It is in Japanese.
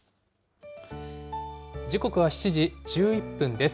時刻は７時１１分です。